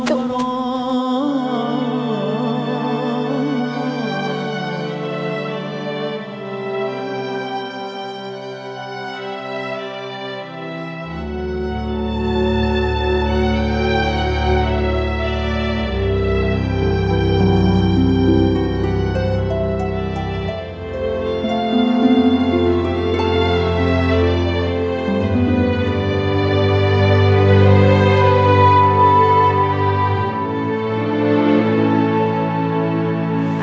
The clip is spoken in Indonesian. tidak ada yang mau diserah